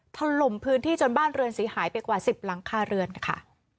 ถล่มพื้นที่จนบ้านเรือนเสียหายไปกว่า๑๐หลังคาเรือนค่ะ